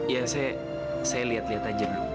ya saya liat liat aja